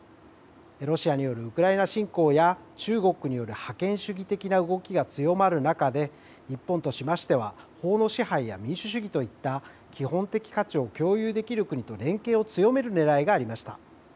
ロシアによるウクライナ侵攻や、中国による覇権主義的な動きが強まる中で、日本としましては、法の支配や民主主義といった基本的価値を共有できる国と連携を強めるねらいがありました。